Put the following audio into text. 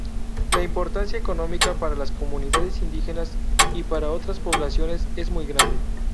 La importancia económica para las comunidades indígenas y para otras poblaciones es muy grande.